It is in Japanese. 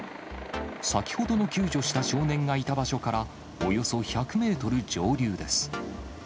先ほどの救助した少年がいた場所から、およそ１００メートル上流です。